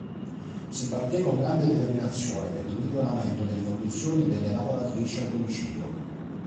Si batté con grande determinazione per il miglioramento delle condizioni delle lavoratrici a domicilio.